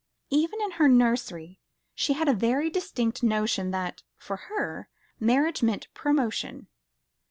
Even in her nursery she had a very distinct notion that, for her, marriage meant promotion.